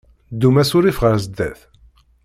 Ddum asurif ɣer sdat.